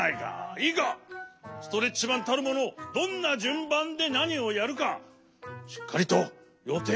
いいかストレッチマンたるものどんなじゅんばんでなにをやるかしっかりとよていをたてないといかんぞ。